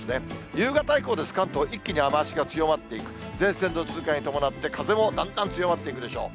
夕方以降です、関東、一気に雨足が強まっていく、前線の通過に伴って、風もだんだん強まっていくでしょう。